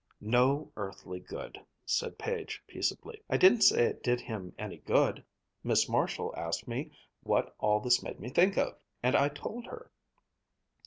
"No earthly good," said Page peaceably; "I didn't say it did him any good. Miss Marshall asked me what all this made me think of, and I told her."